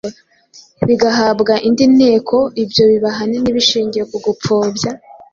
rigahabwa indi nteko, ibyo biba ahanini bishingiye ku gupfobya,